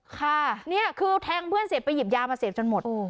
ค่ะนี่คือแทงเพื่อนเสร็จไปหยิบยามาเสพจนหมด